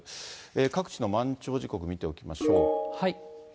各地の満潮時刻を見ておきましょう。